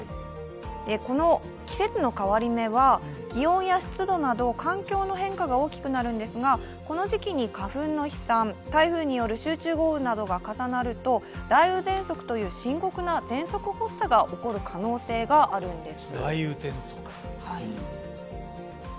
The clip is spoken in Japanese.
この季節の変わり目は気温や湿度など環境の変化が大きくなるんですがこの時期に花粉の飛散、台風による集中豪雨などが重なると雷雨ぜんそくという深刻なぜんそく発作が起こる可能性があるんです。